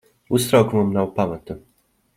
Uztraukumam nav pamata.